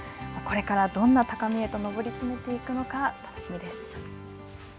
これからどんな高みへと上り詰めていくのか、楽しみです。